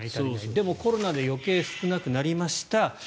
でも、コロナで余計少なくなりました。